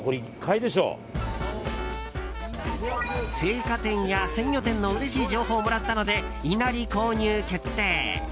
青果店や鮮魚店のうれしい情報をもらったのでいなり購入決定。